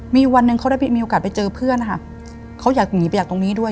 มีวันหนึ่งเขาได้มีโอกาสไปเจอเพื่อนนะคะเขาอยากหนีไปอยากตรงนี้ด้วย